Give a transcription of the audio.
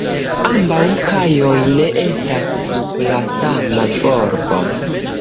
Ambaŭ kajoj ne estas sub la sama volbo.